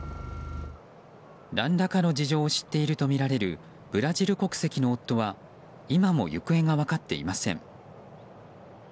何らかの事情を知っているとみられるブラジル国籍の夫は今も行方が分かっていません。